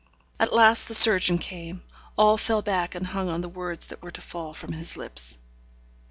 At last the surgeon came. All fell back, and hung on the words that were to fall from his lips.